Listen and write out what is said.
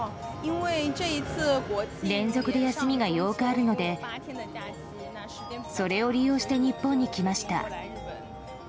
連続で休みが８日あるので、それを利用して日本に来ました。